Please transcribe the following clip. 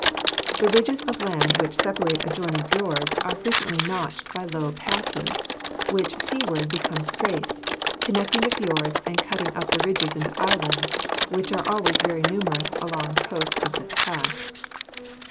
The ridges of land which separate adjoining fjords are frequently notched by low passes, which seaward become straits, connecting the fjords and cutting up the ridges into islands, which are always very numerous along coasts of this class.